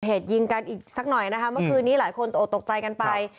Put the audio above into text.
เหตุยิงกันอีกสักหน่อยนะคะเมื่อคืนนี้หลายคนตกตกใจกันไป